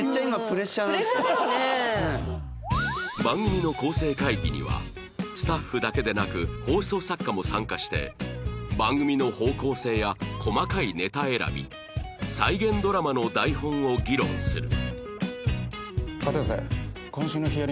番組の構成会議にはスタッフだけでなく放送作家も参加して番組の方向性や細かいネタ選び再現ドラマの台本を議論する